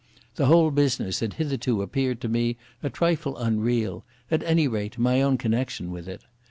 The whole business had hitherto appeared to me a trifle unreal, at any rate my own connection with it.